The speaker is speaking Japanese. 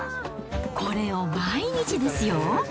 これを毎日ですよ。